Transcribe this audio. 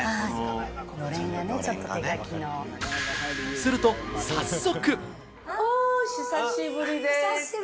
すると早速。